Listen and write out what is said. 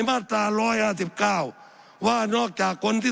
สับขาหลอกกันไปสับขาหลอกกันไป